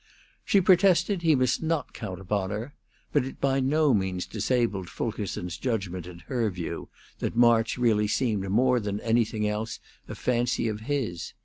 She protested he must not count upon her; but it by no means disabled Fulkerson's judgment in her view that March really seemed more than anything else a fancy of his.